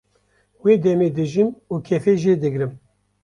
wê demê dijîm û kêfê jê digrim